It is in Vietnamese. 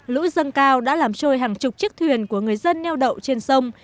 lũ dâng cao đã làm trôi hàng chục chiếc thuyền của người dân neo đậu trên sông